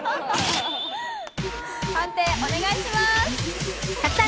判定お願いします。